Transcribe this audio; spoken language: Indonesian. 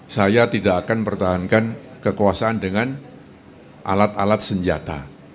saya tidak akan mempertahankan kekuasaan dengan alat alat senjata